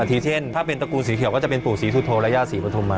ทีเช่นถ้าเป็นตระกูลสีเขียวก็จะเป็นปู่ศรีสุโธและย่าศรีปฐุมมา